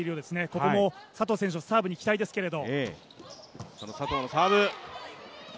ここも佐藤選手のサーブに期待ですけれど。